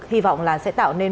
hy vọng là sẽ tạo nên